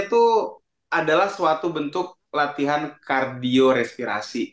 itu adalah suatu bentuk latihan kardio respirasi